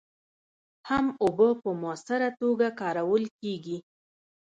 هم اوبه په مؤثره توکه کارول کېږي.